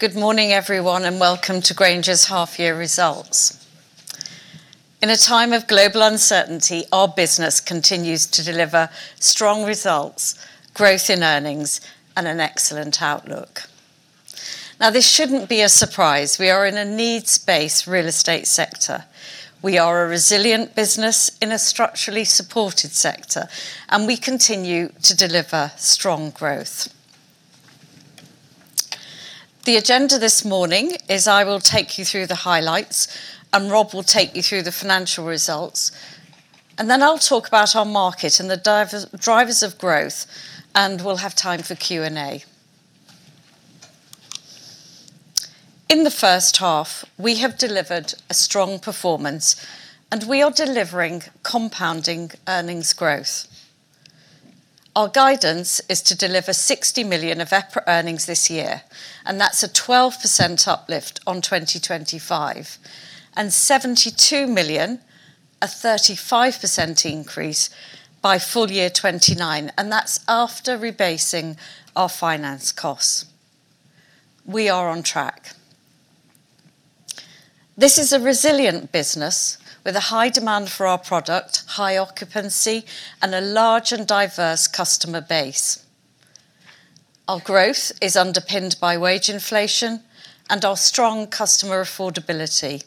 Good morning, everyone, and welcome to Grainger's half year results. In a time of global uncertainty, our business continues to deliver strong results, growth in earnings, and an excellent outlook. This shouldn't be a surprise. We are in a needs-based real estate sector. We are a resilient business in a structurally supported sector, and we continue to deliver strong growth. The agenda this morning is I will take you through the highlights, Rob will take you through the financial results, then I'll talk about our market and the drivers of growth, we'll have time for Q&A. In the first half, we have delivered a strong performance, we are delivering compounding earnings growth. Our guidance is to deliver 60 million of EPRA earnings this year, that's a 12% uplift on 2025. 72 million, a 35% increase by full year 2029, and that's after rebasing our finance costs. We are on track. This is a resilient business with a high demand for our product, high occupancy, and a large and diverse customer base. Our growth is underpinned by wage inflation and our strong customer affordability.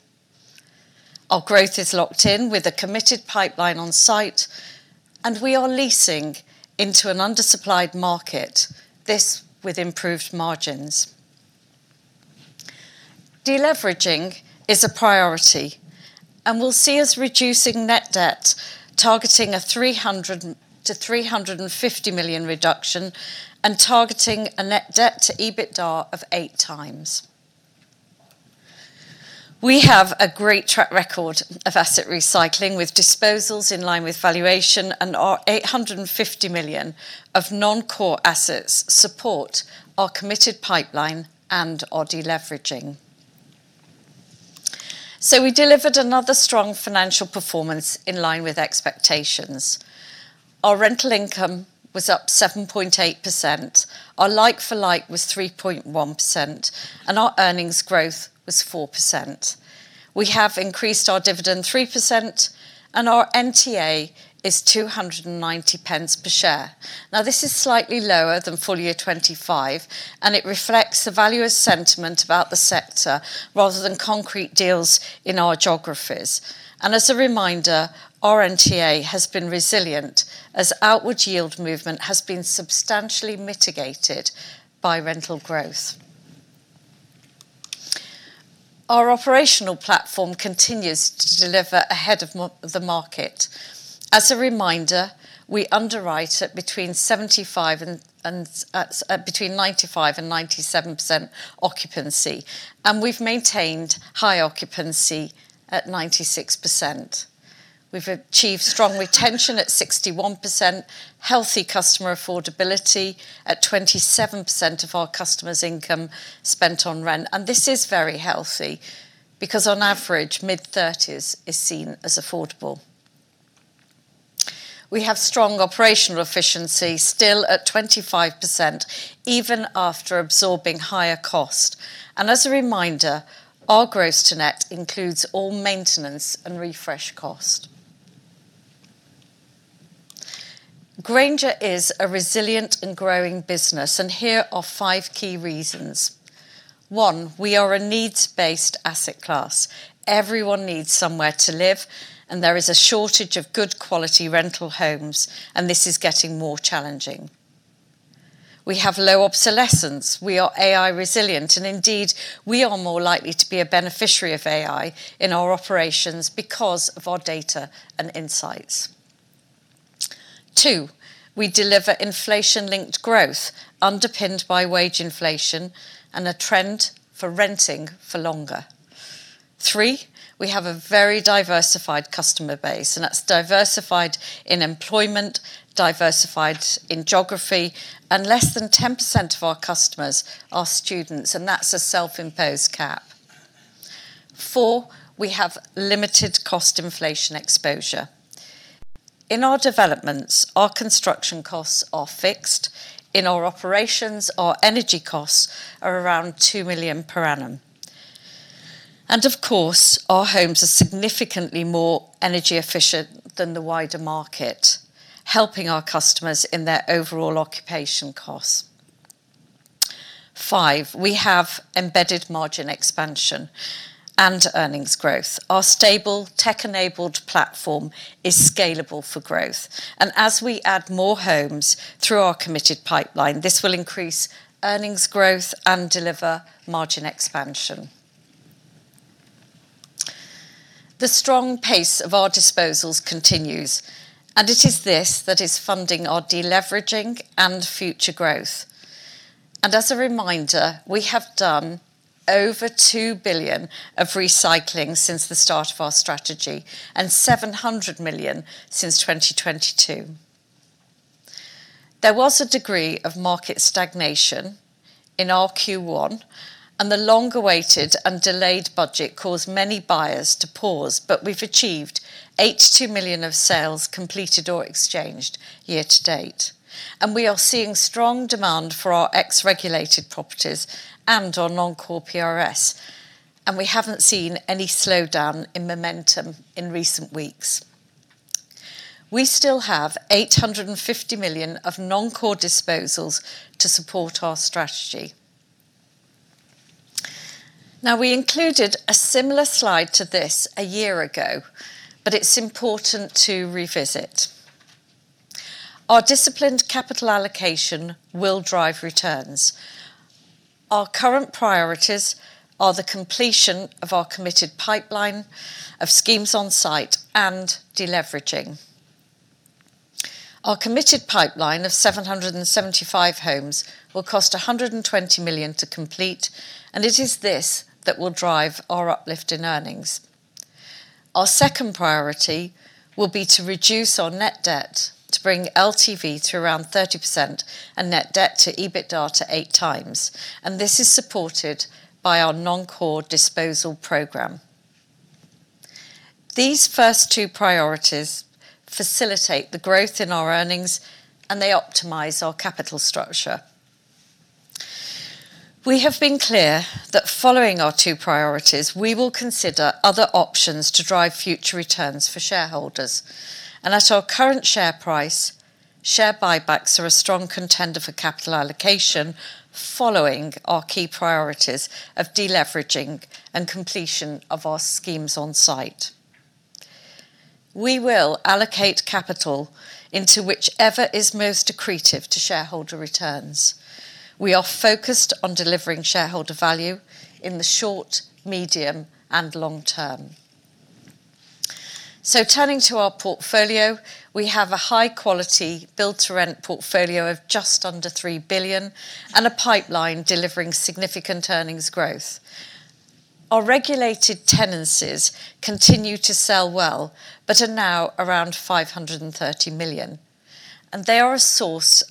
Our growth is locked in with a committed pipeline on site, and we are leasing into an undersupplied market, this with improved margins. Deleveraging is a priority, and we'll see us reducing net debt, targeting a 300 million-350 million reduction, and targeting a net debt to EBITDA of 8x. We have a great track record of asset recycling with disposals in line with valuation, and our 850 million of non-core assets support our committed pipeline and our deleveraging. We delivered another strong financial performance in line with expectations. Our rental income was up 7.8%. Our like-for-like was 3.1%, and our earnings growth was 4%. We have increased our dividend 3%, and our NTA is 2.90 per share. This is slightly lower than full year 2025, and it reflects the value of sentiment about the sector rather than concrete deals in our geographies. As a reminder, our NTA has been resilient as outward yield movement has been substantially mitigated by rental growth. Our operational platform continues to deliver ahead of the market. As a reminder, we underwrite at between 95% and 97% occupancy, and we've maintained high occupancy at 96%. We've achieved strong retention at 61%, healthy customer affordability at 27% of our customers' income spent on rent. This is very healthy because on average, mid-30s is seen as affordable. We have strong operational efficiency still at 25% even after absorbing higher cost. As a reminder, our gross to net includes all maintenance and refresh cost. Grainger is a resilient and growing business, here are five key reasons. One, we are a needs-based asset class. Everyone needs somewhere to live, there is a shortage of good quality rental homes, this is getting more challenging. We have low obsolescence. We are AI resilient, indeed, we are more likely to be a beneficiary of AI in our operations because of our data and insights. Two, we deliver inflation-linked growth underpinned by wage inflation a trend for renting for longer. Three, we have a very diversified customer base, and that's diversified in employment, diversified in geography, and less than 10% of our customers are students, and that's a self-imposed cap. Four, we have limited cost inflation exposure. In our developments, our construction costs are fixed. In our operations, our energy costs are around 2 million per annum. Of course, our homes are significantly more energy efficient than the wider market, helping our customers in their overall occupation costs. Five, we have embedded margin expansion and earnings growth. Our stable tech-enabled platform is scalable for growth, and as we add more homes through our committed pipeline, this will increase earnings growth and deliver margin expansion. The strong pace of our disposals continues, and it is this that is funding our deleveraging and future growth. As a reminder, we have done over 2 billion of recycling since the start of our strategy and 700 million since 2022. There was a degree of market stagnation in our Q1, and the long-awaited and delayed budget caused many buyers to pause, but we've achieved 82 million of sales completed or exchanged year to date. We are seeing strong demand for our ex-regulated properties and our non-core PRS. We haven't seen any slowdown in momentum in recent weeks. We still have 850 million of non-core disposals to support our strategy. Now, we included a similar slide to this a year ago, but it's important to revisit. Our disciplined capital allocation will drive returns. Our current priorities are the completion of our committed pipeline of schemes on site and de-leveraging. Our committed pipeline of 775 homes will cost 120 million to complete. It is this that will drive our uplift in earnings. Our second priority will be to reduce our net debt to bring LTV to around 30% and net debt to EBITDA to 8x. This is supported by our non-core disposal program. These first two priorities facilitate the growth in our earnings. They optimize our capital structure. We have been clear that following our two priorities, we will consider other options to drive future returns for shareholders. At our current share price, share buybacks are a strong contender for capital allocation following our key priorities of de-leveraging and completion of our schemes on site. We will allocate capital into whichever is most accretive to shareholder returns. We are focused on delivering shareholder value in the short, medium, and long term. Turning to our portfolio, we have a high quality build-to-rent portfolio of just under 3 billion and a pipeline delivering significant earnings growth. Our regulated tenancies continue to sell well, but are now around 530 million, and they are a source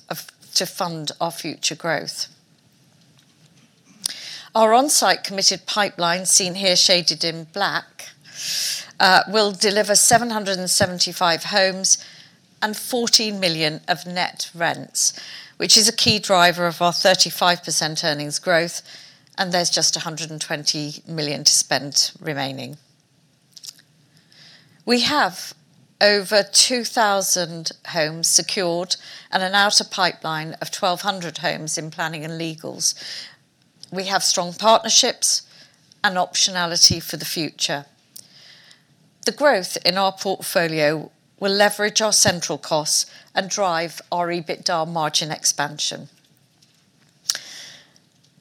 to fund our future growth. Our on-site committed pipeline, seen here shaded in black, will deliver 775 homes and 40 million of net rents, which is a key driver of our 35% earnings growth, and there's just 120 million to spend remaining. We have over 2,000 homes secured and an outer pipeline of 1,200 homes in planning and legals. We have strong partnerships and optionality for the future. The growth in our portfolio will leverage our central costs and drive our EBITDA margin expansion.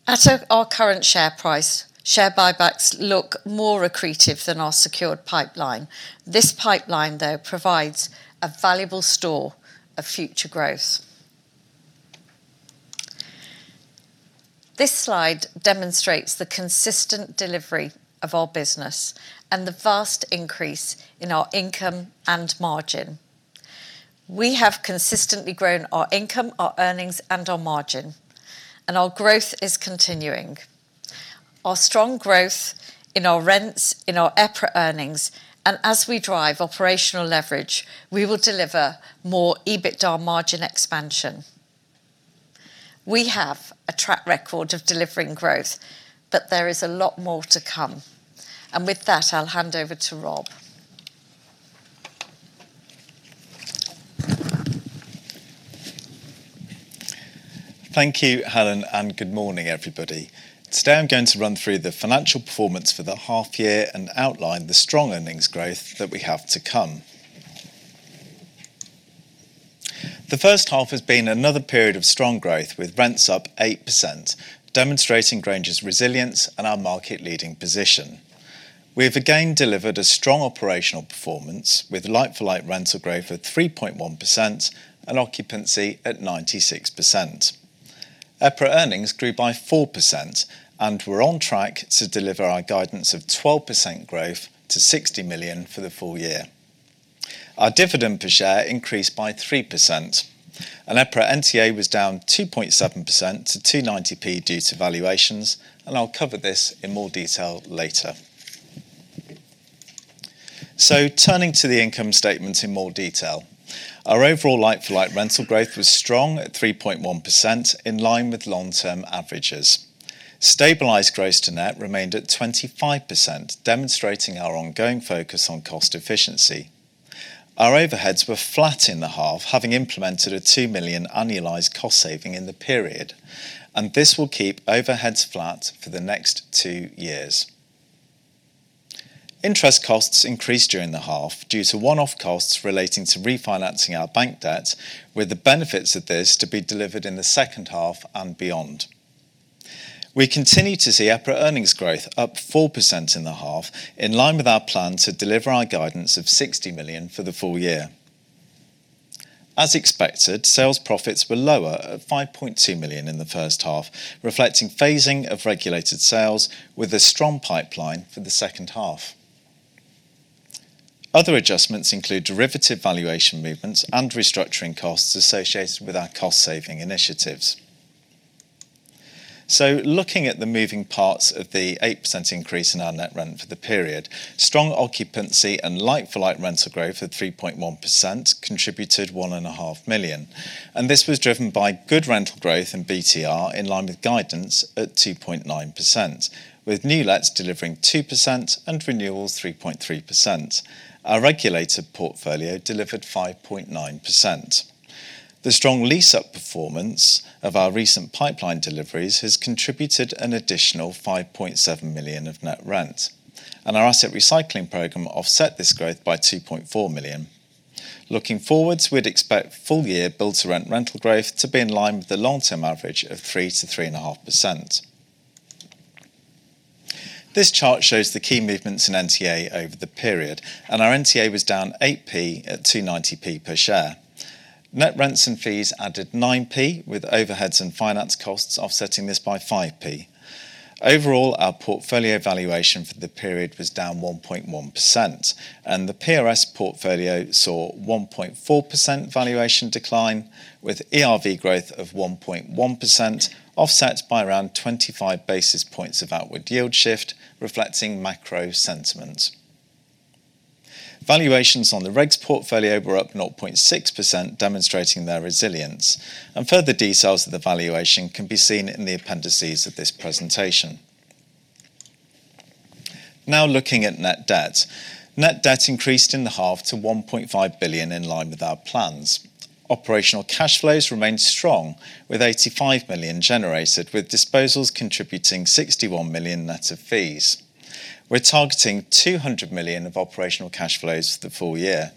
At our current share price, share buybacks look more accretive than our secured pipeline. This pipeline, though, provides a valuable store of future growth. This slide demonstrates the consistent delivery of our business and the vast increase in our income and margin. We have consistently grown our income, our earnings, and our margin, and our growth is continuing. Our strong growth in our rents, in our EPRA earnings, and as we drive operational leverage, we will deliver more EBITDA margin expansion. We have a track record of delivering growth, but there is a lot more to come. With that, I'll hand over to Rob. Thank you, Helen, and good morning, everybody. Today, I'm going to run through the financial performance for the half year and outline the strong earnings growth that we have to come. The first half has been another period of strong growth with rents up 8%, demonstrating Grainger's resilience and our market-leading position. We have again delivered a strong operational performance with like-for-like rental growth at 3.1% and occupancy at 96%. EPRA earnings grew by 4%, and we're on track to deliver our guidance of 12% growth to 60 million for the full year. Our dividend per share increased by 3%, and EPRA NTA was down 2.7% to 2.90 due to valuations, and I'll cover this in more detail later. Turning to the income statement in more detail, our overall like-for-like rental growth was strong at 3.1%, in line with long-term averages. Stabilized gross to net remained at 25%, demonstrating our ongoing focus on cost efficiency. Our overheads were flat in the half, having implemented a 2 million annualized cost saving in the period, and this will keep overheads flat for the next two years. Interest costs increased during the half due to one-off costs relating to refinancing our bank debt, with the benefits of this to be delivered in the second half and beyond. We continue to see EPRA earnings growth up 4% in the half, in line with our plan to deliver our guidance of 60 million for the full year. As expected, sales profits were lower at 5.2 million in the first half, reflecting phasing of regulated sales with a strong pipeline for the second half. Other adjustments include derivative valuation movements and restructuring costs associated with our cost-saving initiatives. Looking at the moving parts of the 8% increase in our net rent for the period, strong occupancy and like-for-like rental growth at 3.1% contributed 1.5 million, and this was driven by good rental growth and BTR in line with guidance at 2.9%, with new lets delivering 2% and renewals 3.3%. Our regulated portfolio delivered 5.9%. The strong lease-up performance of our recent pipeline deliveries has contributed an additional 5.7 million of net rent, and our asset recycling program offset this growth by 2.4 million. Looking forwards, we'd expect full-year build-to-rent rental growth to be in line with the long-term average of 3%-3.5%. This chart shows the key movements in NTA over the period, and our NTA was down 0.08 at 2.90 per share. Net rents and fees added 0.09, with overheads and finance costs offsetting this by 0.05. Overall, our portfolio valuation for the period was down 1.1%, and the PRS portfolio saw 1.4% valuation decline, with ERV growth of 1.1% offset by around 25 basis points of outward yield shift, reflecting macro sentiment. Valuations on the regs portfolio were up 0.6%, demonstrating their resilience, and further details of the valuation can be seen in the appendices of this presentation. Now looking at net debt. Net debt increased in the half to 1.5 billion, in line with our plans. Operational cash flows remained strong, with 85 million generated, with disposals contributing 61 million net of fees. We're targeting 200 million of operational cash flows for the full year.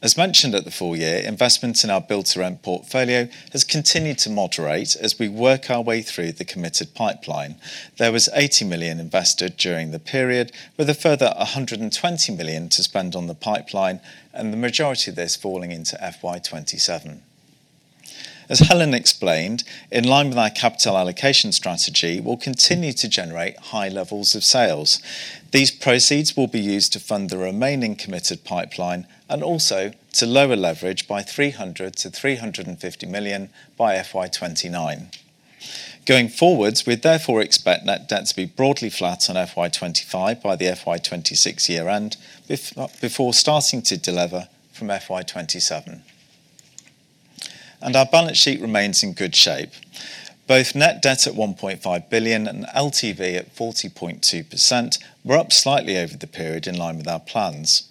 As mentioned at the full year, investment in our build-to-rent portfolio has continued to moderate as we work our way through the committed pipeline. There was 80 million invested during the period, with a further 120 million to spend on the pipeline, and the majority of this falling into FY 2027. As Helen explained, in line with our capital allocation strategy, we'll continue to generate high levels of sales. These proceeds will be used to fund the remaining committed pipeline, and also to lower leverage by 300 million-350 million by FY 2029. Going forwards, we'd therefore expect net debt to be broadly flat on FY 2025 by the FY 2026 year-end, before starting to delever from FY 2027. Our balance sheet remains in good shape. Both net debt at 1.5 billion and LTV at 40.2% were up slightly over the period, in line with our plans.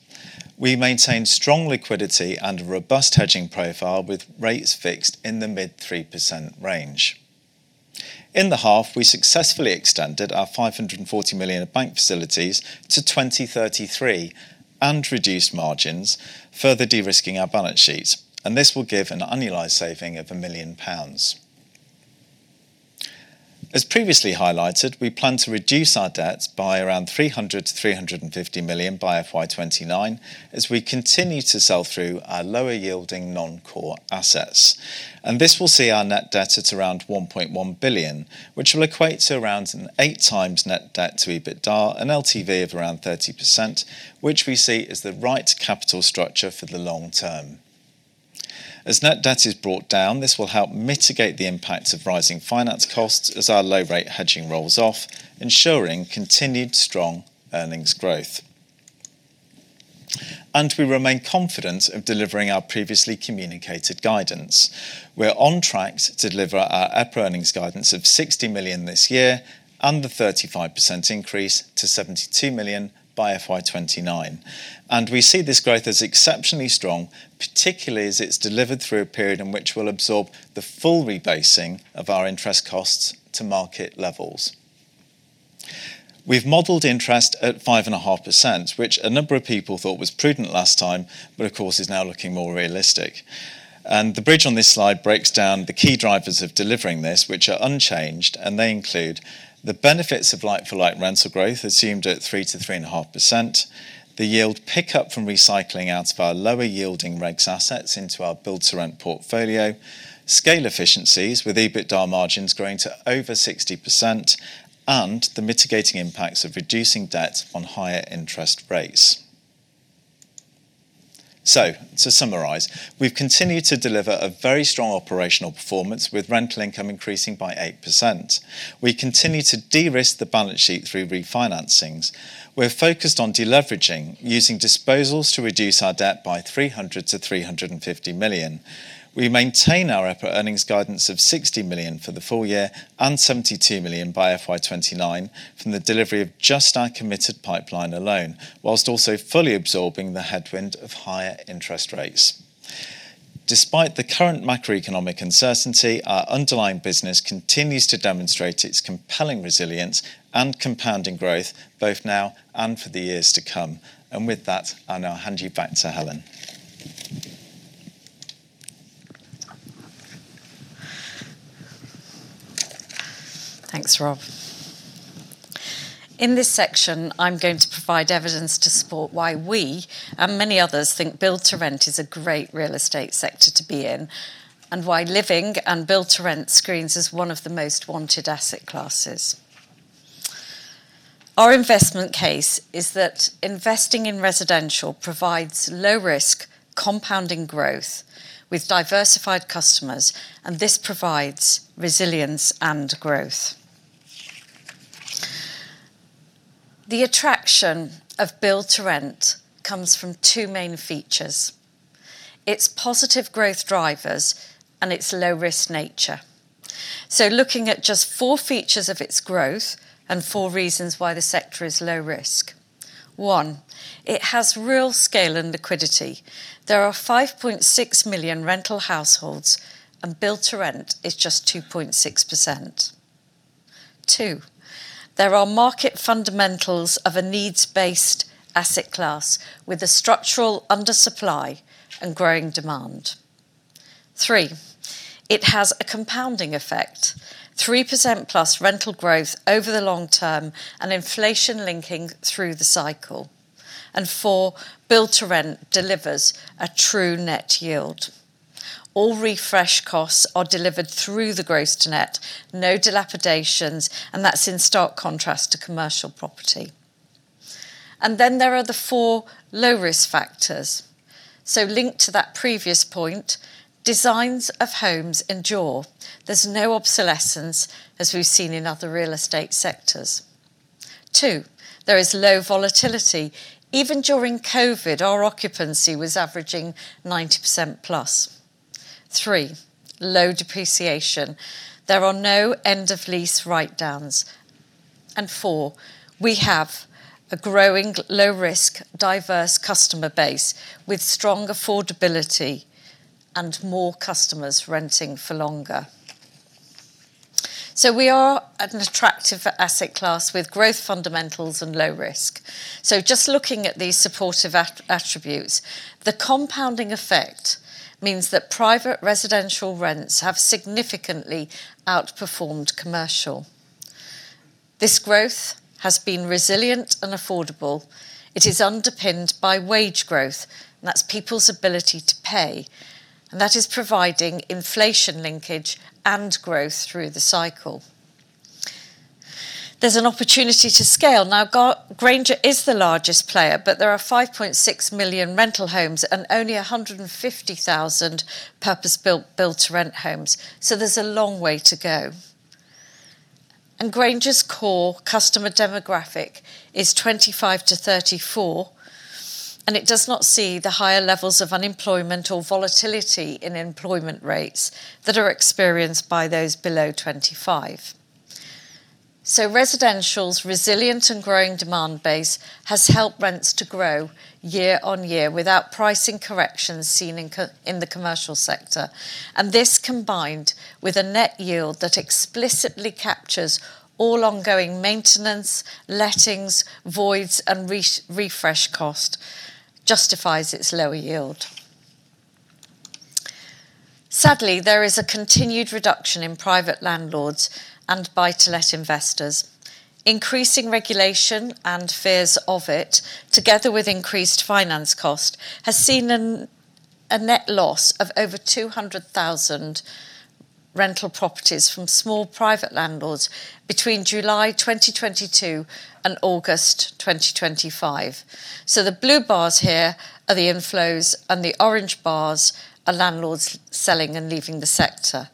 We maintain strong liquidity and a robust hedging profile, with rates fixed in the mid 3% range. In the half, we successfully extended our 540 million of bank facilities to 2033 and reduced margins, further de-risking our balance sheet, and this will give an annualized saving of 1 million pounds. As previously highlighted, we plan to reduce our debt by around 300 million-350 million by FY 2029 as we continue to sell through our lower-yielding non-core assets, and this will see our net debt at around 1.1 billion, which will equate to around an 8x net debt to EBITDA, an LTV of around 30%, which we see as the right capital structure for the long term. As net debt is brought down, this will help mitigate the impact of rising finance costs as our low rate hedging rolls off, ensuring continued strong earnings growth. We remain confident of delivering our previously communicated guidance. We're on track to deliver our EPRA earnings guidance of 60 million this year and the 35% increase to 72 million by FY 2029. We see this growth as exceptionally strong, particularly as it's delivered through a period in which we'll absorb the full rebasing of our interest costs to market levels. We've modeled interest at 5.5%, which a number of people thought was prudent last time, but of course is now looking more realistic. The bridge on this slide breaks down the key drivers of delivering this, which are unchanged, and they include the benefits of like-for-like rental growth, assumed at 3%-3.5%, the yield pickup from recycling out of our lower yielding regs assets into our build-to-rent portfolio, scale efficiencies with EBITDA margins growing to over 60%, and the mitigating impacts of reducing debt on higher interest rates. To summarize, we've continued to deliver a very strong operational performance, with rental income increasing by 8%. We continue to de-risk the balance sheet through refinancings. We're focused on deleveraging, using disposals to reduce our debt by 300 million-350 million. We maintain our EPRA earnings guidance of 60 million for the full year and 72 million by FY 2029 from the delivery of just our committed pipeline alone, while also fully absorbing the headwind of higher interest rates. Despite the current macroeconomic uncertainty, our underlying business continues to demonstrate its compelling resilience and compounding growth, both now and for the years to come. With that, I'll now hand you back to Helen. Thanks, Rob. In this section, I'm going to provide evidence to support why we and many others think build-to-rent is a great real estate sector to be in, and why living and build-to-rent screens as one of the most wanted asset classes. Our investment case is that investing in residential provides low risk, compounding growth with diversified customers, and this provides resilience and growth. The attraction of build-to-rent comes from two main features, its positive growth drivers and its low risk nature. Looking at just four features of its growth and four reasons why the sector is low risk. One, it has real scale and liquidity. There are 5.6 million rental households, and build-to-rent is just 2.6%. Two, there are market fundamentals of a needs-based asset class with a structural undersupply and growing demand. Three, it has a compounding effect. 3%+ rental growth over the long term and inflation linking through the cycle. Four, build-to-rent delivers a true net yield. All refresh costs are delivered through the gross to net, no dilapidations, that is in stark contrast to commercial property. There are the four low-risk factors. Linked to that previous point, designs of homes endure. There's no obsolescence as we've seen in other real estate sectors. Two, there is low volatility. Even during COVID, our occupancy was averaging 90%+. Three, low depreciation. There are no end of lease write-downs. Four, we have a growing low-risk, diverse customer base with strong affordability and more customers renting for longer. We are at an attractive asset class with growth fundamentals and low risk. Just looking at these supportive attributes, the compounding effect means that private residential rents have significantly outperformed commercial. This growth has been resilient and affordable. It is underpinned by wage growth, and that's people's ability to pay. That is providing inflation linkage and growth through the cycle. There's an opportunity to scale. Grainger is the largest player, but there are 5.6 million rental homes and only 150,000 purpose-built build-to-rent homes. There's a long way to go. Grainger's core customer demographic is 25-34, and it does not see the higher levels of unemployment or volatility in employment rates that are experienced by those below 25. Residential's resilient and growing demand base has helped rents to grow year on year without pricing corrections seen in the commercial sector. This combined with a net yield that explicitly captures all ongoing maintenance, lettings, voids, and refresh cost justifies its lower yield. Sadly, there is a continued reduction in private landlords and buy-to-let investors. Increasing regulation and fears of it, together with increased finance cost, has seen a net loss of over 200,000 rental properties from small private landlords between July 2022 and August 2025. The blue bars here are the inflows, and the orange bars are landlords selling and leaving the sector.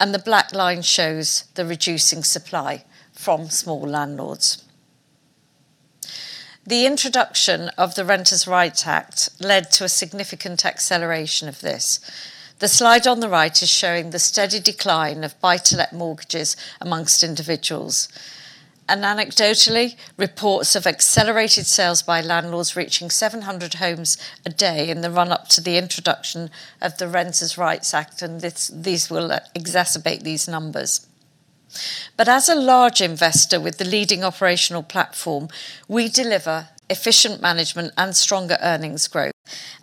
The black line shows the reducing supply from small landlords. The introduction of the Renters' Rights Act led to a significant acceleration of this. The slide on the right is showing the steady decline of buy-to-let mortgages amongst individuals. Anecdotally, reports of accelerated sales by landlords reaching 700 homes a day in the run-up to the introduction of the Renters' Rights Act, these will exacerbate these numbers. As a large investor with the leading operational platform, we deliver efficient management and stronger earnings growth,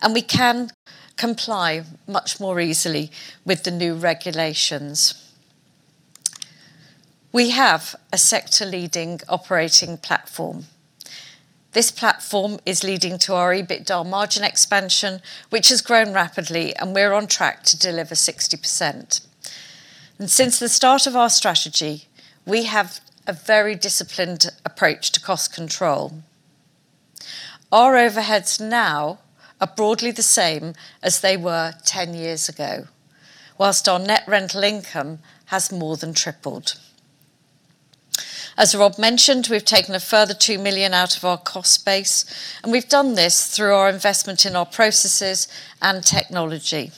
and we can comply much more easily with the new regulations. We have a sector leading operating platform. This platform is leading to our EBITDA margin expansion, which has grown rapidly, and we're on track to deliver 60%. Since the start of our strategy, we have a very disciplined approach to cost control. Our overheads now are broadly the same as they were 10 years ago, whilst our net rental income has more than tripled. As Rob mentioned, we've taken a further 2 million out of our cost base, and we've done this through our investment in our processes and technology,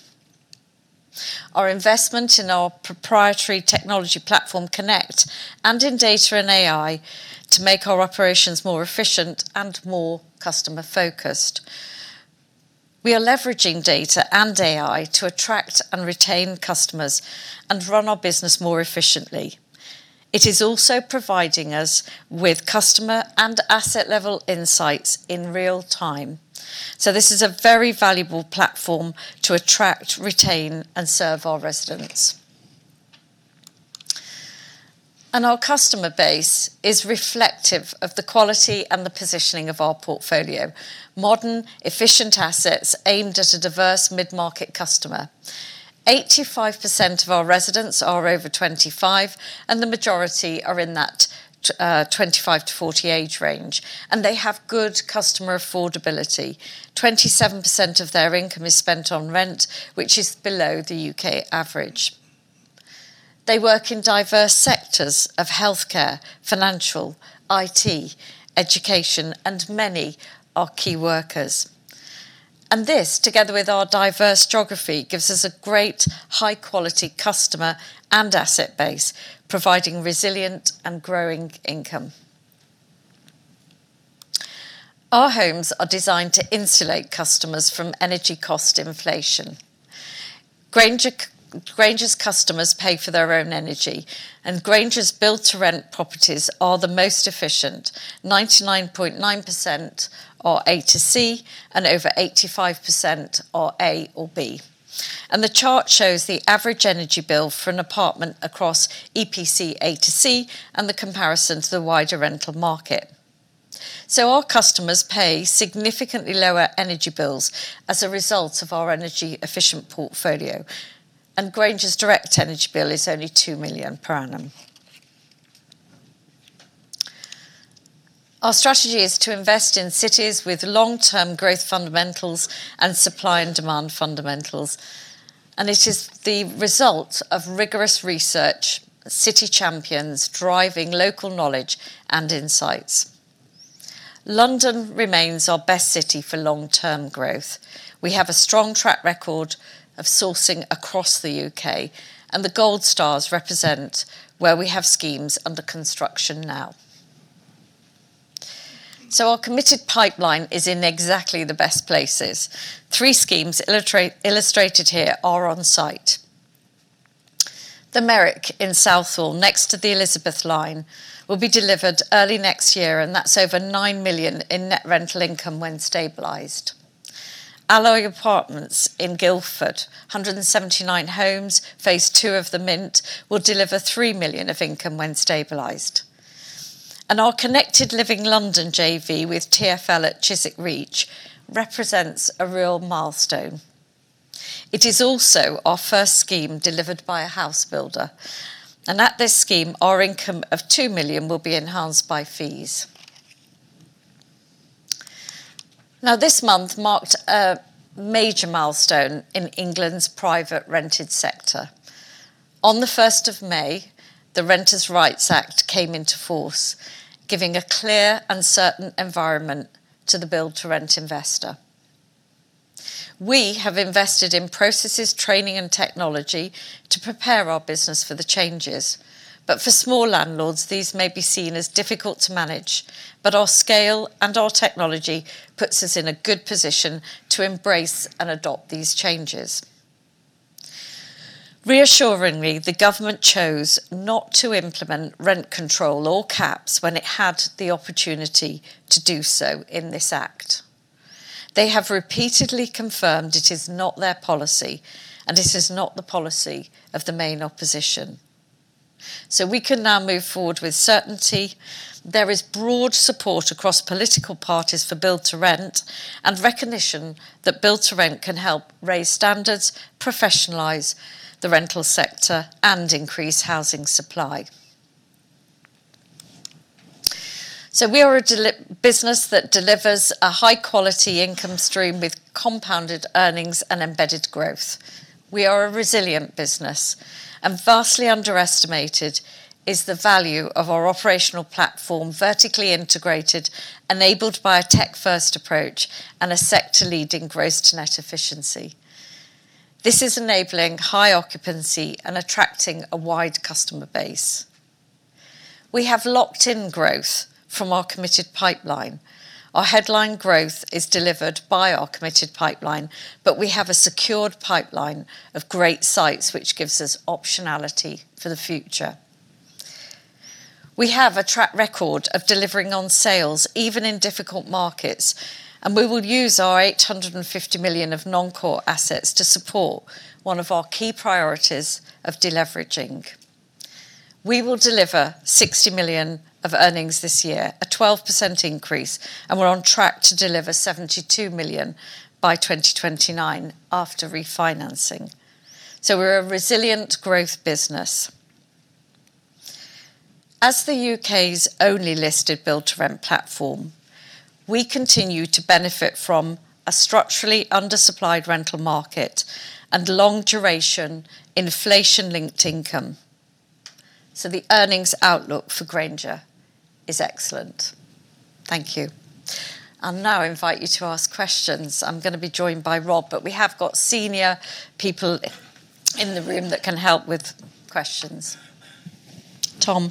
our investment in our proprietary technology platform, CONNECT, and in data and AI to make our operations more efficient and more customer focused. We are leveraging data and AI to attract and retain customers and run our business more efficiently. It is also providing us with customer and asset level insights in real time. This is a very valuable platform to attract, retain, and serve our residents. Our customer base is reflective of the quality and the positioning of our portfolio. Modern, efficient assets aimed at a diverse mid-market customer. 85% of our residents are over 25, and the majority are in that 25-40 age range. They have good customer affordability. 27% of their income is spent on rent, which is below the U.K. average. They work in diverse sectors of healthcare, financial, IT, education, and many are key workers. This, together with our diverse geography, gives us a great high-quality customer and asset base, providing resilient and growing income. Our homes are designed to insulate customers from energy cost inflation. Grainger's customers pay for their own energy. Grainger's build-to-rent properties are the most efficient. 99.9% are A to C, over 85% are A or B. The chart shows the average energy bill for an apartment across EPC A to C and the comparison to the wider rental market. Our customers pay significantly lower energy bills as a result of our energy efficient portfolio. Grainger's direct energy bill is only 2 million per annum. Our strategy is to invest in cities with long-term growth fundamentals and supply and demand fundamentals, and it is the result of rigorous research, city champions driving local knowledge and insights. London remains our best city for long-term growth. We have a strong track record of sourcing across the U.K. The gold stars represent where we have schemes under construction now. Our committed pipeline is in exactly the best places. Three schemes illustrated here are on site. The Merrick in Southall, next to the Elizabeth line, will be delivered early next year, and that's over 9 million in net rental income when stabilized. Alloy Apartments in Guildford, 179 homes, phase two of The Mint, will deliver 3 million of income when stabilized. Our Connected Living London JV with TfL at Chiswick Reach represents a real milestone. It is also our first scheme delivered by a house builder. At this scheme, our income of 2 million will be enhanced by fees. This month marked a major milestone in England's private rented sector. On the 1st of May, the Renters' Rights Act 2025 came into force, giving a clear and certain environment to the build-to-rent investor. We have invested in processes, training, and technology to prepare our business for the changes. For small landlords, these may be seen as difficult to manage, but our scale and our technology puts us in a good position to embrace and adopt these changes. Reassuringly, the government chose not to implement rent control or caps when it had the opportunity to do so in this act. They have repeatedly confirmed it is not their policy, and it is not the policy of the main opposition. We can now move forward with certainty. There is broad support across political parties for build-to-rent, and recognition that build-to-rent can help raise standards, professionalize the rental sector, and increase housing supply. We are a business that delivers a high-quality income stream with compounded earnings and embedded growth. We are a resilient business, and vastly underestimated is the value of our operational platform, vertically integrated, enabled by a tech-first approach, and a sector-leading gross to net efficiency. This is enabling high occupancy and attracting a wide customer base. We have locked in growth from our committed pipeline. Our headline growth is delivered by our committed pipeline, but we have a secured pipeline of great sites, which gives us optionality for the future. We have a track record of delivering on sales, even in difficult markets. We will use our 850 million of non-core assets to support one of our key priorities of deleveraging. We will deliver 60 million of earnings this year, a 12% increase. We're on track to deliver 72 million by 2029 after refinancing. We're a resilient growth business. As the U.K.'s only listed build-to-rent platform, we continue to benefit from a structurally undersupplied rental market and long-duration inflation-linked income. The earnings outlook for Grainger is excellent. Thank you. I'll now invite you to ask questions. I'm going to be joined by Rob. We have got senior people in the room that can help with questions. Tom.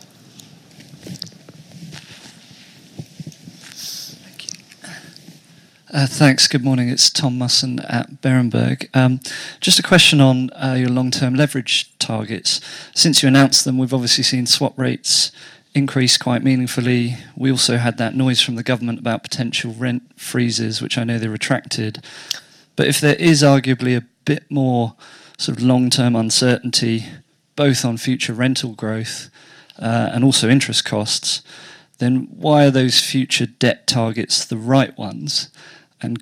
Thank you. Thanks. Good morning. It's Tom Musson at Berenberg. Just a question on your long-term leverage targets. Since you announced them, we've obviously seen swap rates increase quite meaningfully. We also had that noise from the government about potential rent freezes, which I know they retracted. If there is arguably a bit more sort of long-term uncertainty, both on future rental growth and also interest costs. Why are those future debt targets the right ones?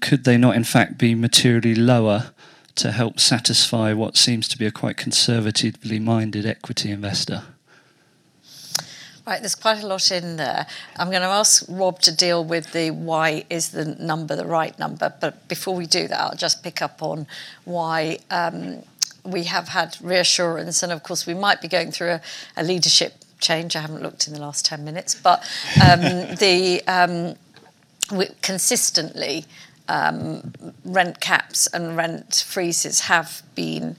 Could they not in fact be materially lower to help satisfy what seems to be a quite conservatively minded equity investor? Right. There's quite a lot in there. I'm gonna ask Rob to deal with the why is the number the right number, but before we do that, I'll just pick up on why we have had reassurance and, of course, we might be going through a leadership change. I haven't looked in the last 10 minutes. Consistently, rent caps and rent freezes have been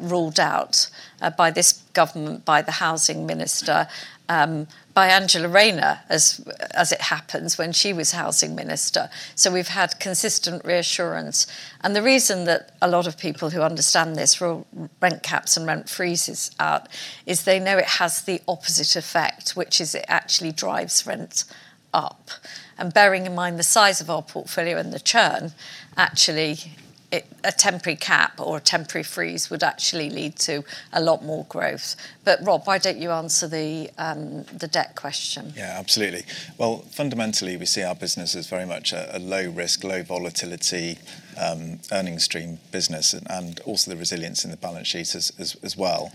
ruled out by this government, by the housing minister, by Angela Rayner, as it happens, when she was housing minister. We've had consistent reassurance. The reason that a lot of people who understand this rule rent caps and rent freezes out is they know it has the opposite effect, which is it actually drives rents up. Bearing in mind the size of our portfolio and the churn, actually, a temporary cap or a temporary freeze would actually lead to a lot more growth. Rob, why don't you answer the debt question? Absolutely. Fundamentally, we see our business as very much a low risk, low volatility, earning stream business and also the resilience in the balance sheet as well.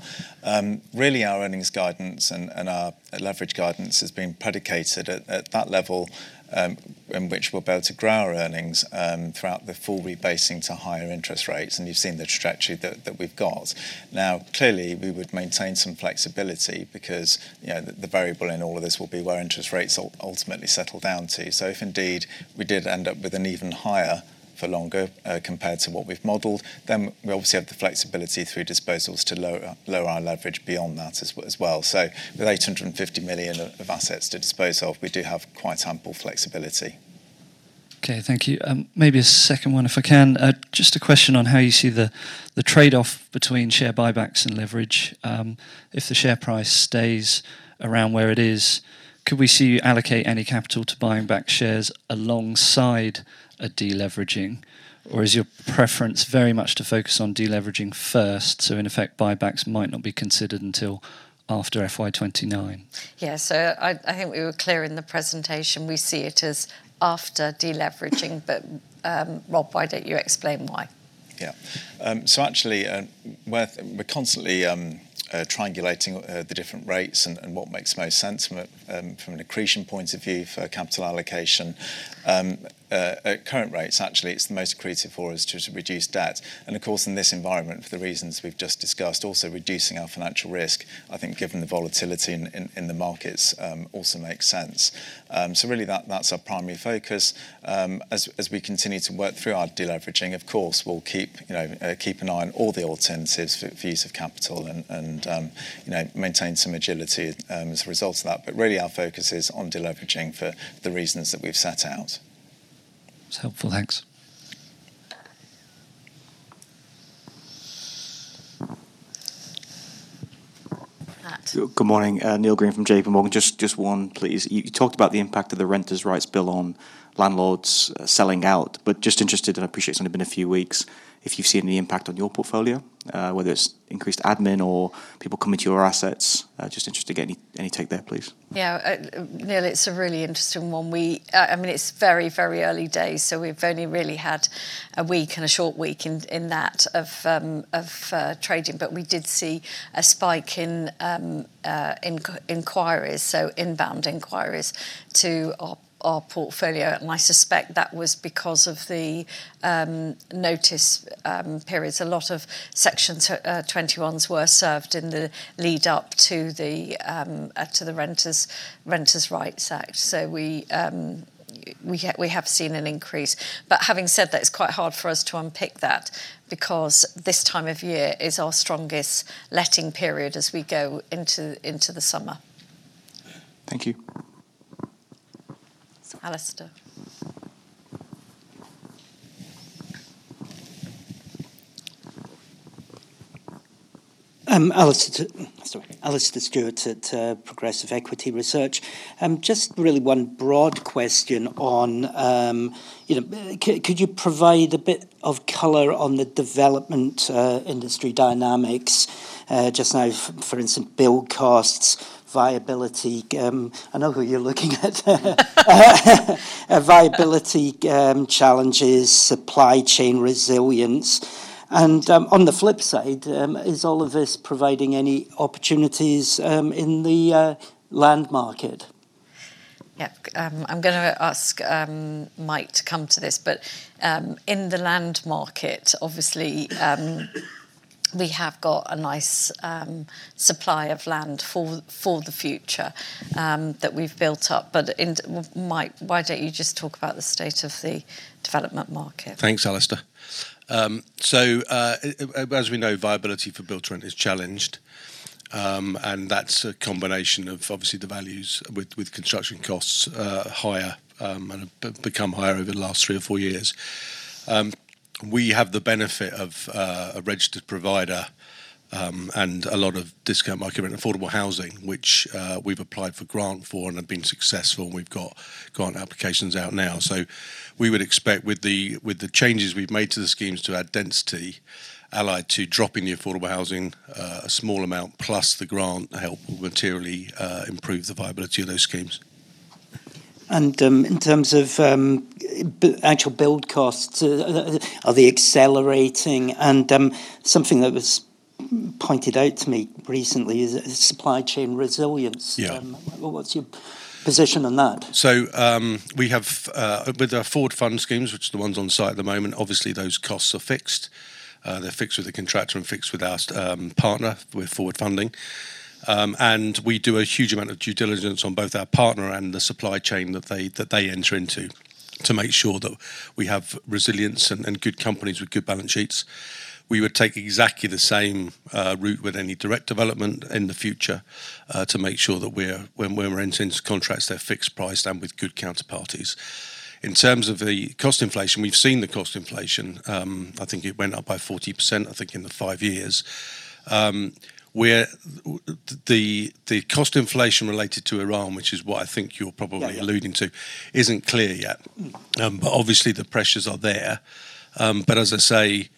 Really our earnings guidance and our leverage guidance has been predicated at that level, in which we're about to grow our earnings throughout the full rebasing to higher interest rates, and you've seen the trajectory that we've got. Clearly, we would maintain some flexibility because, you know, the variable in all of this will be where interest rates ultimately settle down to. If indeed we did end up with an even higher for longer, compared to what we've modeled, then we obviously have the flexibility through disposals to lower our leverage beyond that as well. With 850 million of assets to dispose of, we do have quite ample flexibility. Okay. Thank you. Maybe a second one, if I can. Just a question on how you see the trade-off between share buybacks and leverage. If the share price stays around where it is, could we see you allocate any capital to buying back shares alongside a deleveraging? Is your preference very much to focus on deleveraging first, so in effect, buybacks might not be considered until after FY 2029? Yeah. I think we were clear in the presentation. We see it as after deleveraging. Rob, why don't you explain why? Actually, we're constantly triangulating the different rates and what makes most sense from an accretion point of view for capital allocation. At current rates, actually, it's the most accretive for us to reduce debt. Of course, in this environment, for the reasons we've just discussed, also reducing our financial risk, I think given the volatility in the markets, also makes sense. Really, that's our primary focus. As we continue to work through our deleveraging, of course, we'll keep, you know, an eye on all the alternatives for use of capital and, you know, maintain some agility as a result of that. Really, our focus is on deleveraging for the reasons that we've set out. It's helpful. Thanks. Matt. Good morning. Neil Green from JP Morgan. Just one please. You talked about the impact of the Renters' Rights bill on landlords selling out. Just interested, and I appreciate it's only been a few weeks, if you've seen any impact on your portfolio, whether it's increased admin or people coming to your assets. Just interested to get any take there, please. Yeah. Neil, it's a really interesting one. We, I mean, it's very, very early days, so we've only really had a week and a short week in that of trading, but we did see a spike in inquiries, so inbound inquiries to our portfolio, and I suspect that was because of the notice periods. A lot of Section 21s were served in the lead up to the Renters' Rights Act. We have seen an increase. Having said that, it's quite hard for us to unpick that because this time of year is our strongest letting period as we go into the summer. Thank you. Alastair. Alastair, sorry. Alastair Stewart at Progressive Equity Research. Just really one broad question on, you know, could you provide a bit of color on the development industry dynamics just now for instance, build costs, viability, I know who you're looking at, viability challenges, supply chain resilience. On the flip side, is all of this providing any opportunities in the land market? Yeah. I'm gonna ask Mike to come to this. In the land market, obviously, we have got a nice supply of land for the future, that we've built up. Mike, why don't you just talk about the state of the development market? Thanks, Alastair. As we know, viability for build-to-rent is challenged. That's a combination of obviously the values with construction costs higher and have become higher over the last three or four years. We have the benefit of a registered provider and a lot of discount market rent affordable housing, which we've applied for grant for and have been successful, and we've got grant applications out now. We would expect with the changes we've made to the schemes to add density, allied to dropping the affordable housing a small amount, plus the grant help will materially improve the viability of those schemes. In terms of actual build costs, are they accelerating? Something that was pointed out to me recently is supply chain resilience. Yeah. What's your position on that? With our forward fund schemes, which are the ones on site at the moment, obviously those costs are fixed. They're fixed with the contractor and fixed with our partner with forward funding. We do a huge amount of due diligence on both our partner and the supply chain that they enter into to make sure that we have resilience and good companies with good balance sheets. We would take exactly the same route with any direct development in the future to make sure that when we're entering into contracts they're fixed price and with good counterparties. In terms of the cost inflation, we've seen the cost inflation. I think it went up by 40%, I think, in the five years. We're the cost inflation related to tariffs, which is what I think you're probably alluding to. Yeah. isn't clear yet. Obviously the pressures are there. As I say,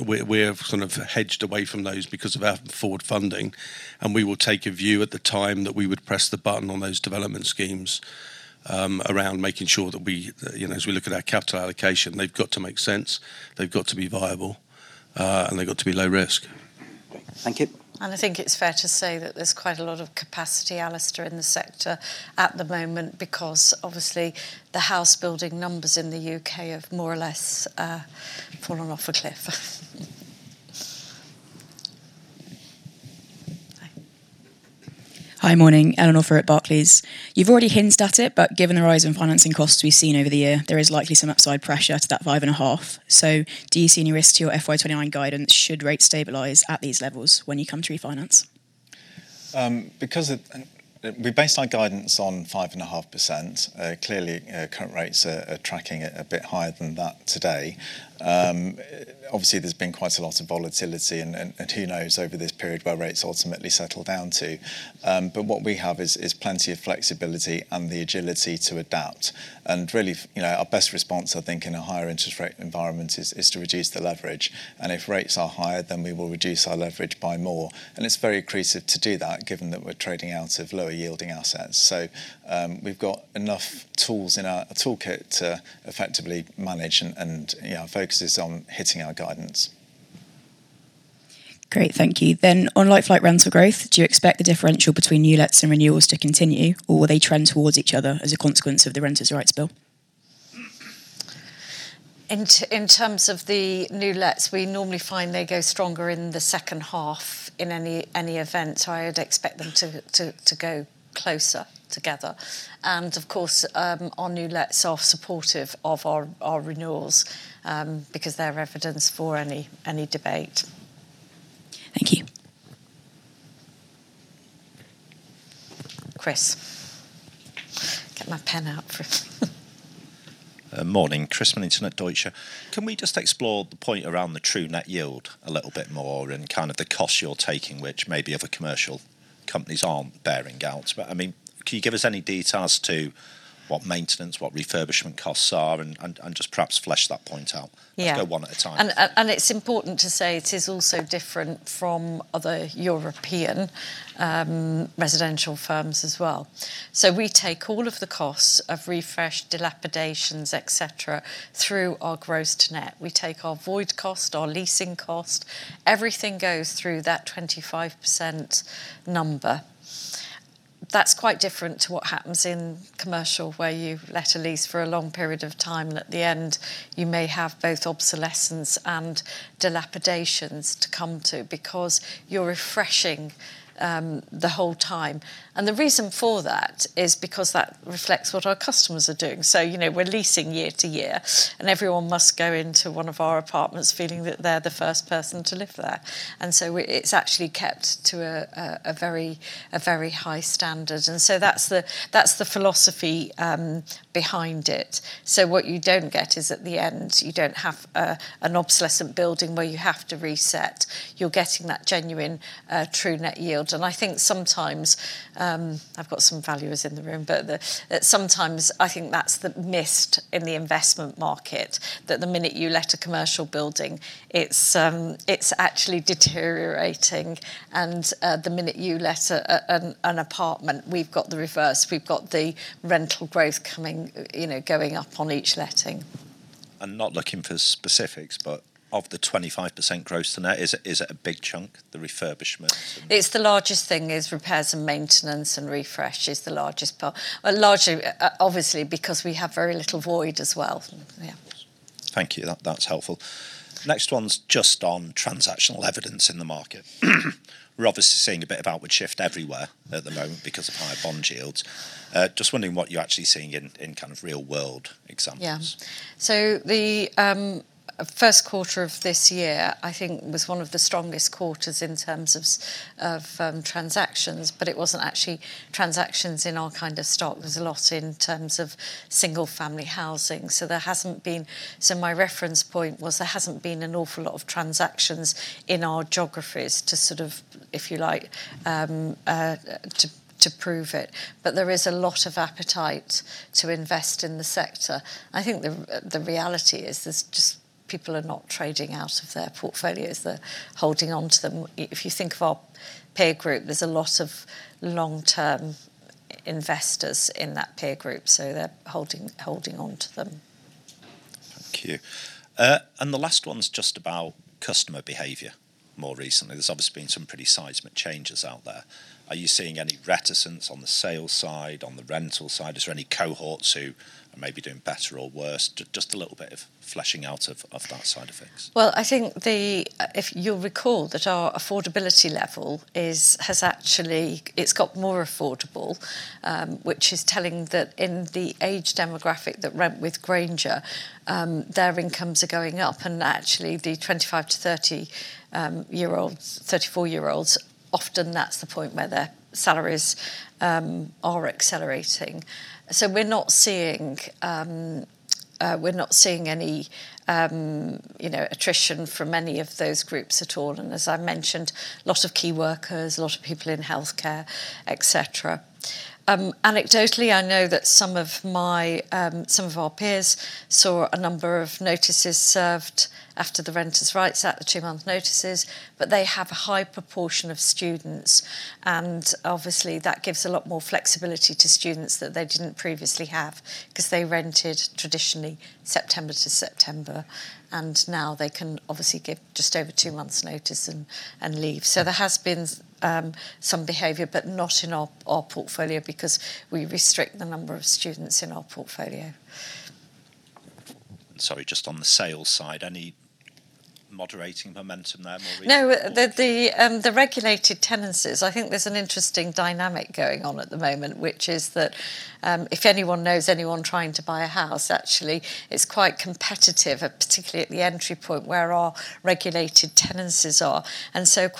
we're sort of hedged away from those because of our forward funding, and we will take a view at the time that we would press the button on those development schemes, around making sure that we, you know, as we look at our capital allocation, they've got to make sense, they've got to be viable, and they've got to be low risk. Great. Thank you. I think it's fair to say that there's quite a lot of capacity, Alastair, in the sector at the moment because obviously the house building numbers in the U.K. have more or less fallen off a cliff. Hi. Hi. Morning. Eleanor Frew, Barclays. You've already hinted at it, but given the rise in financing costs we've seen over the year, there is likely some upside pressure to that 5.5% Do you see any risk to your FY 2029 guidance should rates stabilize at these levels when you come to refinance? Because we based our guidance on 5.5%. Clearly, current rates are tracking at a bit higher than that today. Obviously there's been quite a lot of volatility and who knows over this period where rates ultimately settle down to. What we have is plenty of flexibility and the agility to adapt. Really, you know, our best response, I think, in a higher interest rate environment is to reduce the leverage, and if rates are higher, then we will reduce our leverage by more. It's very accretive to do that given that we're trading out of lower yielding assets. We've got enough tools in our toolkit to effectively manage and Yeah. Our focus is on hitting our guidance. Great. Thank you. On like-for-like rental growth, do you expect the differential between new lets and renewals to continue, or will they trend towards each other as a consequence of the Renters' Rights Bill? In terms of the new lets, we normally find they go stronger in the second half in any event, so I would expect them to go closer together. Of course, our new lets are supportive of our renewals because they're evidence for any debate. Thank you. Chris. Get my pen out for. Morning. Chris Millington at Deutsche. Can we just explore the point around the true net yield a little bit more and kind of the cost you're taking, which maybe other commercial companies aren't bearing out? I mean, can you give us any details to what maintenance, what refurbishment costs are and just perhaps flesh that point out? Yeah. Let's go one at a time. It's important to say it is also different from other European residential firms as well. We take all of the costs of refresh, dilapidations, et cetera, through our gross to net. We take our void cost, our leasing cost, everything goes through that 25% number. That's quite different to what happens in commercial, where you let a lease for a long period of time and at the end you may have both obsolescence and dilapidations to come to, because you're refreshing the whole time. The reason for that is because that reflects what our customers are doing. You know, we're leasing year to year, and everyone must go into one of our apartments feeling that they're the first person to live there. It's actually kept to a very high standard. That's the philosophy behind it. What you don't get is at the end you don't have an obsolescent building where you have to reset. You're getting that genuine, true net yield. I think sometimes, I've got some valuers in the room, sometimes I think that's the miss in the investment market, that the minute you let a commercial building, it's actually deteriorating, the minute you let an apartment, we've got the reverse. We've got the rental growth coming, you know, going up on each letting. I'm not looking for specifics, but of the 25% gross to net, is it a big chunk, the refurbishment? It's the largest thing is repairs and maintenance and refresh is the largest. Well, largely, obviously because we have very little void as well. Yeah. Thank you. That's helpful. Next one's just on transactional evidence in the market. We're obviously seeing a bit of outward shift everywhere at the moment because of higher bond yields. Just wondering what you're actually seeing in kind of real world examples. Yeah. The first quarter of this year I think was one of the strongest quarters in terms of transactions, but it wasn't actually transactions in our kind of stock. There's a lot in terms of single-family housing. There hasn't been. My reference point was there hasn't been an awful lot of transactions in our geographies to sort of, if you like, to prove it. There is a lot of appetite to invest in the sector. I think the reality is this. Just people are not trading out of their portfolios. They're holding onto them. If you think of our peer group, there's a lot of long-term investors in that peer group, so they're holding onto them. Thank you. The last one's just about customer behavior more recently. There's obviously been some pretty seismic changes out there. Are you seeing any reticence on the sales side, on the rental side? Is there any cohorts who are maybe doing better or worse? Just a little bit of fleshing out of that side of things. I think the, if you'll recall that our affordability level is, has actually, it's got more affordable, which is telling that in the age demographic that rent with Grainger, their incomes are going up and actually the 25-30 year olds, 34 year olds, often that's the point where their salaries are accelerating. We're not seeing, we're not seeing any, you know, attrition from any of those groups at all. As I mentioned, lot of key workers, a lot of people in healthcare, et cetera. Anecdotally, I know that some of my, some of our peers saw a number of notices served after the Renters' Rights, at the two-month notices, but they have a high proportion of students and obviously that gives a lot more flexibility to students that they didn't previously have, 'cause they rented traditionally September to September, and now they can obviously give just over two months notice and leave. There has been some behavior, but not in our portfolio because we restrict the number of students in our portfolio. Sorry, just on the sales side, any moderating momentum there more recently? No, the, the regulated tenancies, I think there's an interesting dynamic going on at the moment, which is that, if anyone knows anyone trying to buy a house, actually it's quite competitive, particularly at the entry point where our regulated tenancies are.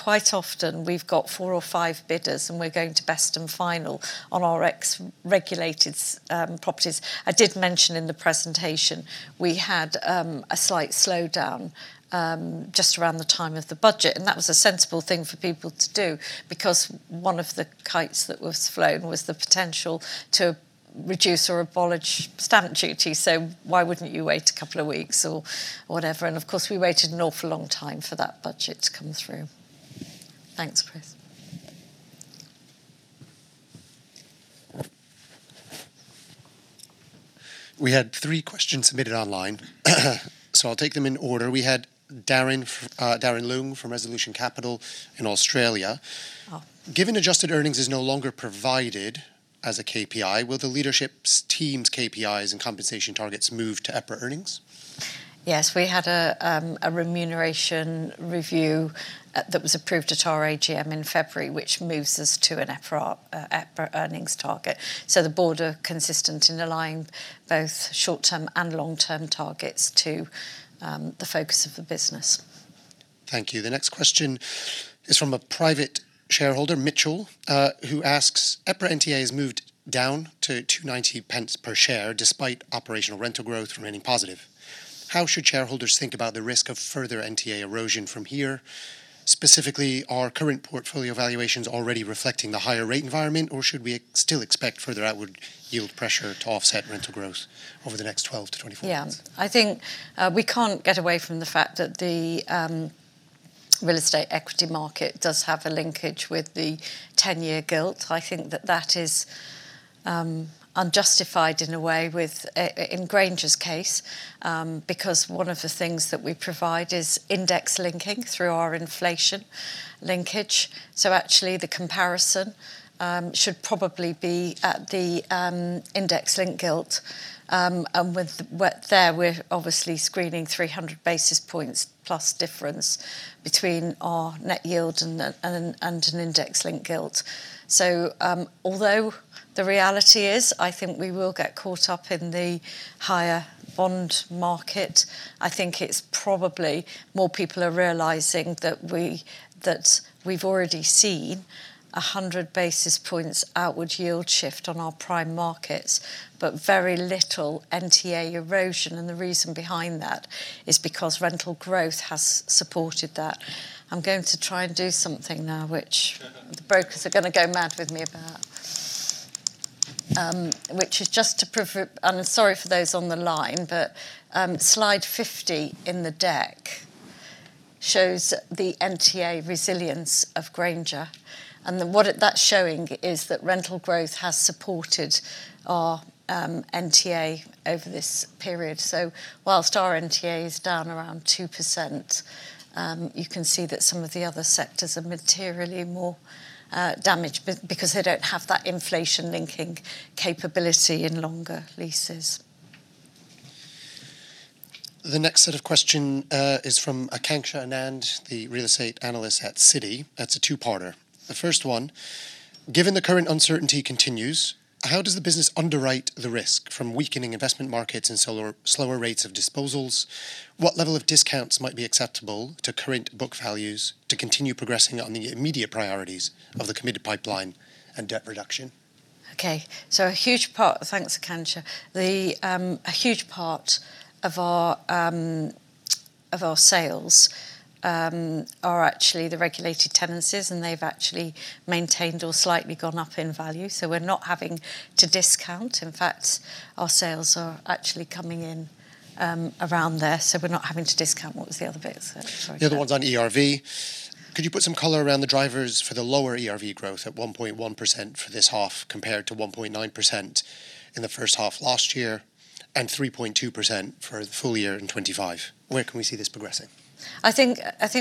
Quite often we've got four or five bidders and we're going to best and final on our ex-regulated properties. I did mention in the presentation we had a slight slowdown just around the time of the budget, and that was a sensible thing for people to do because one of the kites that was flown was the potential to reduce or abolish Stamp Duty. Why wouldn't you wait a couple of weeks or whatever? Of course, we waited an awful long time for that budget to come through. Thanks, Chris. We had three questions submitted online. I'll take them in order. We had Darren Leung from Resolution Capital in Australia. Oh. Given adjusted earnings is no longer provided as a KPI, will the leadership's team's KPIs and compensation targets move to EPRA earnings? Yes, we had a remuneration review that was approved at our AGM in February, which moves us to an EPRA earnings target. The board are consistent in aligning both short-term and long-term targets to the focus of the business. Thank you. The next question is from a private shareholder, Mitchell, who asks, "EPRA NTA has moved down to 2.90 per share despite operational rental growth remaining positive. How should shareholders think about the risk of further NTA erosion from here? Specifically, are current portfolio valuations already reflecting the higher rate environment, or should we still expect further outward yield pressure to offset rental growth over the next 12-24 months? Yeah, I think we can't get away from the fact that the real estate equity market does have a linkage with the 10-year gilt. I think that that is unjustified in a way with in Grainger's case, because one of the things that we provide is index linking through our inflation linkage. Actually the comparison should probably be at the index-linked gilt. And with there, we're obviously screening 300 basis points plus difference between our net yield and an index-linked gilt. Although the reality is I think we will get caught up in the higher bond market, I think it's probably more people are realizing that we've already seen 100 basis points outward yield shift on our prime markets, but very little NTA erosion, and the reason behind that is because rental growth has supported that. I'm going to try and do something now, which the brokers are going to go mad with me about, and sorry for those on the line, but slide 50 in the deck shows the NTA resilience of Grainger. The what that's showing is that rental growth has supported our NTA over this period. Whilst our NTA is down around 2%, you can see that some of the other sectors are materially more damaged because they don't have that inflation linking capability in longer leases. The next set of question, is from Aakanksha Anand, the real estate analyst at Citi. That's a two-parter. The first one: Given the current uncertainty continues, how does the business underwrite the risk from weakening investment markets and slower rates of disposals? What level of discounts might be acceptable to current book values to continue progressing on the immediate priorities of the committed pipeline and debt reduction? Okay. Thanks, Aakanksha. A huge part of our sales are actually the regulated tenancies, and they've actually maintained or slightly gone up in value, so we're not having to discount. In fact, our sales are actually coming in around there, so we're not having to discount. What was the other bit, sorry, Kurt? The other one's on ERV. Could you put some color around the drivers for the lower ERV growth at 1.1% for this half compared to 1.9% in the first half last year, and 3.2% for the full year in 2025? Where can we see this progressing? I think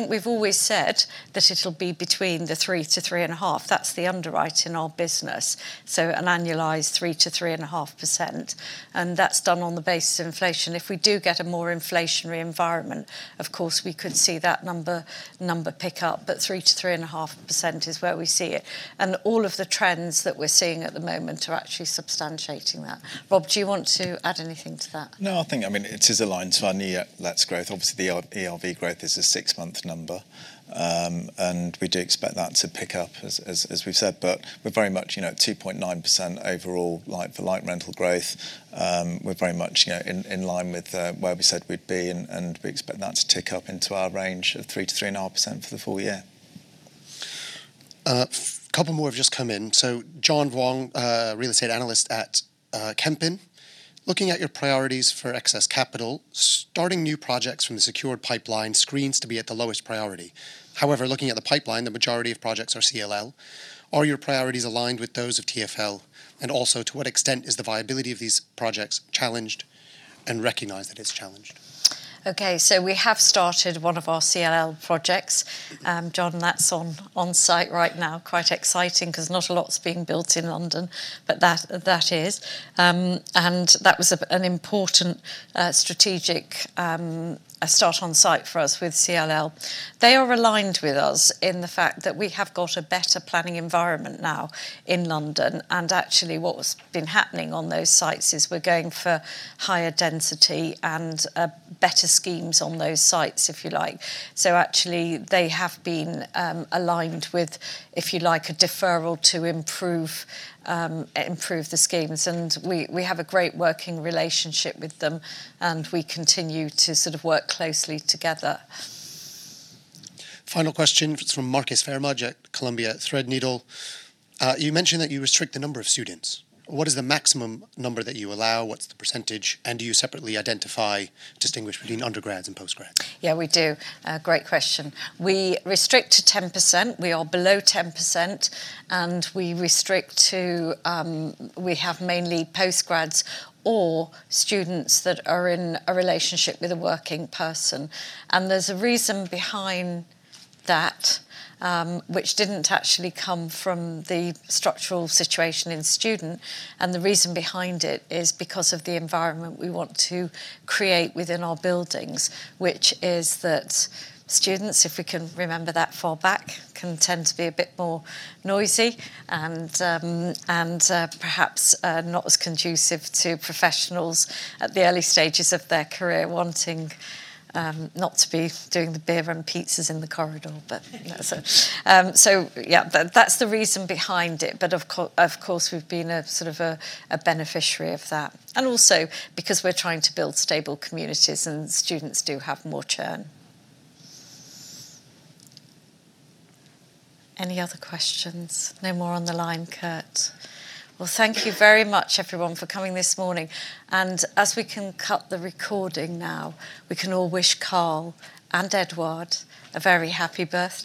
we've always said that it'll be between the 3%-3.5%. That's the underwrite in our business, an annualized 3%-3.5%. That's done on the base inflation. If we do get a more inflationary environment, of course, we could see that number pick up, 3%-3.5% is where we see it. All of the trends that we're seeing at the moment are actually substantiating that. Rob, do you want to add anything to that? No, I think, I mean, it is aligned to our near lets growth. Obviously, the ERV growth is a six-month number. We do expect that to pick up as we've said, but we're very much, you know, at 2.9% overall like-for-like rental growth. We're very much, you know, in line with where we said we'd be and we expect that to tick up into our range of 3%-3.5% for the full year. Couple more have just come in. John Vuong, real estate analyst at Kempen. Looking at your priorities for excess capital, starting new projects from the secured pipeline screens to be at the lowest priority. However, looking at the pipeline, the majority of projects are CLL. Are your priorities aligned with those of TfL? To what extent is the viability of these projects challenged and recognized that it's challenged? We have started one of our CLL projects. John, that's on site right now. Quite exciting, 'cause not a lot's being built in London, but that is. That was an important strategic start on site for us with CLL. They are aligned with us in the fact that we have got a better planning environment now in London, and actually what has been happening on those sites is we're going for higher density and better schemes on those sites, if you like. Actually, they have been aligned with, if you like, a deferral to improve the schemes. We have a great working relationship with them, and we continue to sort of work closely together. Final question from Marcus Phayre-Mudge at Columbia Threadneedle. You mentioned that you restrict the number of students. What is the maximum number that you allow? What's the percentage? Do you separately identify, distinguish between undergrads and postgrads? Yeah, we do. Great question. We restrict to 10%. We are below 10%, and we restrict to, we have mainly postgrads or students that are in a relationship with a working person. There's a reason behind that, which didn't actually come from the structural situation in student, and the reason behind it is because of the environment we want to create within our buildings, which is that students, if we can remember that far back, can tend to be a bit more noisy, and perhaps not as conducive to professionals at the early stages of their career wanting not to be doing the beer and pizzas in the corridor. You know, that's the reason behind it. Of course, we've been a sort of a beneficiary of that, and also because we're trying to build stable communities, and students do have more churn. Any other questions? No more on the line, Kurt. Thank you very much, everyone, for coming this morning. As we can cut the recording now, we can all wish Carl and Eduard a very happy birthday.